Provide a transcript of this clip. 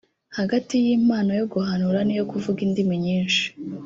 Hagati y’impano yo guhanura n’iyo kuvuga indimi nyinshi